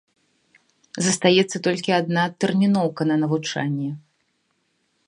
Застаецца толькі адна адтэрміноўка на навучанне.